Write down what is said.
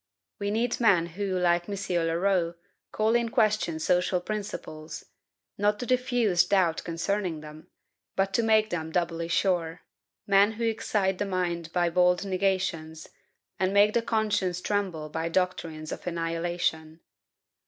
We need men who, like M. Leroux, call in question social principles, not to diffuse doubt concerning them, but to make them doubly sure; men who excite the mind by bold negations, and make the conscience tremble by doctrines of annihilation.